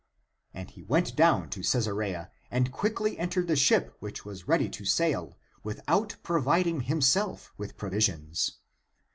And he went down to Caesarea and quickly entered the ship which was ready to sail without providing (himself) with provisions.